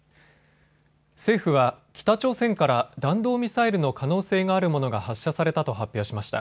政府は北朝鮮から弾道ミサイルの可能性があるものが発射されたと発表しました。